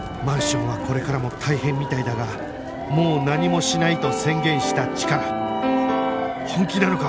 マンションはこれからも大変みたいだがもう何もしないと宣言したチカラ